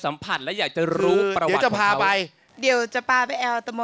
ไม่ได้